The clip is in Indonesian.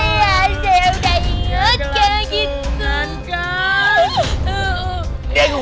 ayah saya udah inget kayak gitu